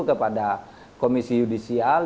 kepada komisi yudisial